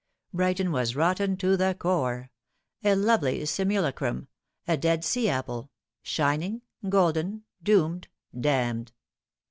Brighton was rotten to the core a lovely simulacrum a Dead Sea apple shining, golden, doomed, damned.